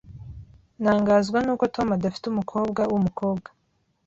Ntangazwa nuko Tom adafite umukobwa wumukobwa.